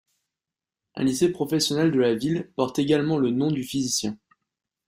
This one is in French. Un lycée professionnel de la ville porte également le nom du physicien.